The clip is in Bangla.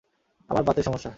আমার বাতের সমস্যা।